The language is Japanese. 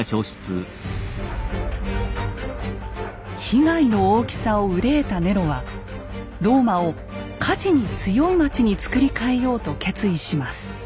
被害の大きさを憂えたネロはローマを火事に強い町に造り替えようと決意します。